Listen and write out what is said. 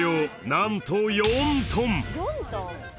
なんと４トン！